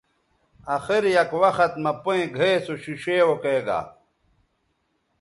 اخر یک وخت مہ پئیں گھئے سو ݜیݜے اوکیگا